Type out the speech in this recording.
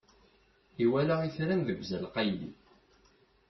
Iwala itran deg uzal qayli.